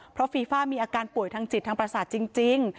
เพราะฟีฟ่ามีอาการป่วยทางจิตทางประสาทจริง